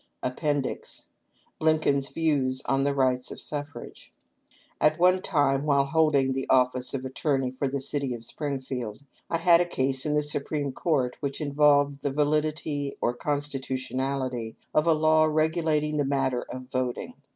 APPENDIX. 625 LINCOLN'S VIEWS ON THE RIGHTS OF SUFFRAGE. At one time, while holding the office of attorney for the city of Springfield, I had a case in the Supreme Court, which involved the validity or constitutionality of a law regulating the matter of voting.